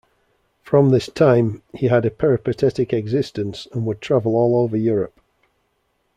From this time, he had a peripatetic existence, and would travel all over Europe.